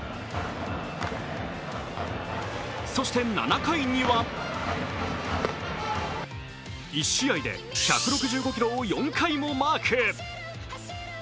そして７回には１試合で１６５キロを４回もマーク。